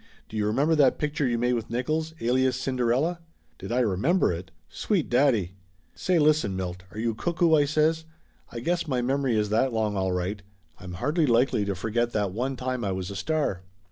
do you remember that picture you made with Nickolls Alias Cinderella ?" Did I remember it ? Sweet daddy ! "Say listen, Milt, are you cuckoo?" I says. "I guess Laughter Limited 329 my memory is that long, all right. I'm hardly likely to forget that one time I was a star."